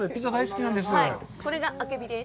これがあけびです。